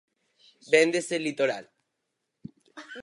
Véndese litoral.